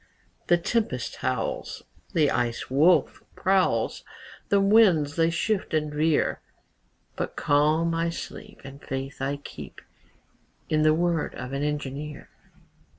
The tempest howls, The Ice Wolf prowls, The winds they shift and veer, But calm I sleep, And faith I keep In the word of an engineer.